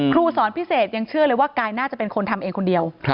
ครูสอนพิเศษยังเชื่อเลยว่ากายน่าจะเป็นคนทำเองคนเดียว